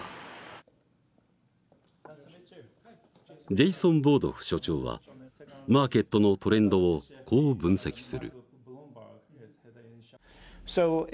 ジェイソン・ボードフ所長はマーケットのトレンドをこう分析する。